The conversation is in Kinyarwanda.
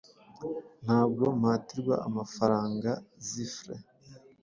Ntabwo mpatirwa amafarangaZifre